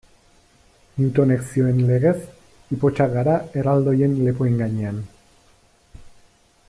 Newtonek zioen legez, ipotxak gara erraldoien lepoen gainean.